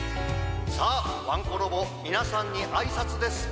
さあワンコロボみなさんにあいさつです。